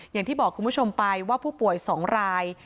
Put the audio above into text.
อย่างที่บอกคุณผู้ชมไปว่าผู้ป่วย๒ราย